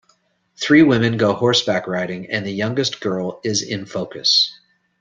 Three women go horseback riding and the youngest girl is in focus.